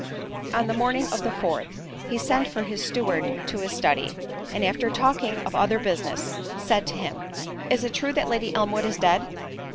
On the morning of the fourth, he sent for his steward to his study, and after talking of other business, said to him; "Is it true that Lady Elmwood is dead?"